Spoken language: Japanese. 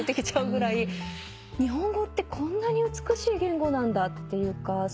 日本語ってこんなに美しい言語なんだっていうか。